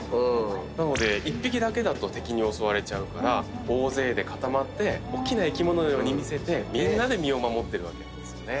なので１匹だけだと敵に襲われちゃうから大勢で固まっておっきな生き物のように見せてみんなで身を守ってるわけなんですよね。